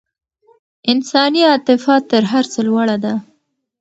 انساني عاطفه تر هر څه لوړه ده.